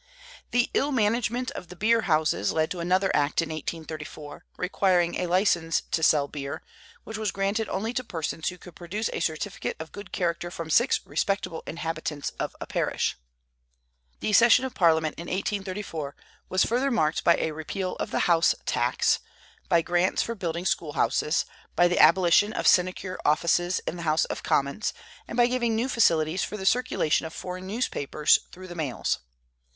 The ill management of the beer houses led to another act in 1834, requiring a license to sell beer, which was granted only to persons who could produce a certificate of good character from six respectable inhabitants of a parish. The session of Parliament in 1834 was further marked by a repeal of the house tax, by grants for building schoolhouses, by the abolition of sinecure offices in the House of Commons, and by giving new facilities for the circulation of foreign newspapers through the mails.